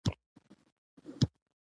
ایا زه باید پلیټلیټ ولګوم؟